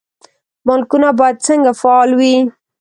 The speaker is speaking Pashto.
بانکونه باید څنګه فعال وي؟